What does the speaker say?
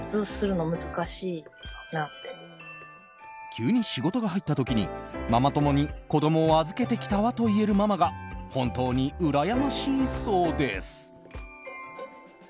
急に仕事が入った時にママ友に子供を預けてきたわと言えるママが本当にうらやましいそうです。